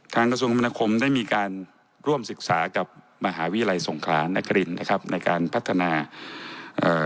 ทางกระทรวงคำพนาคมได้มีการร่วมศึกษากับมหาวิรัยสงครานนักกระลิ่นนะครับในการพัฒนาเอ่อ